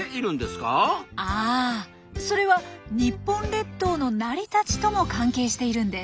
あそれは日本列島の成り立ちとも関係しているんです。